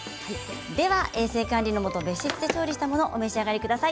では衛生管理のもと別室で調理したものをお召し上がりください。